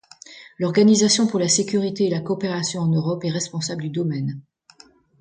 L'Organisation pour la sécurité et la coopération en Europe est responsable du domaine.